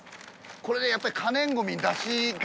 これねやっぱり。